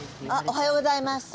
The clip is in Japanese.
おはようございます。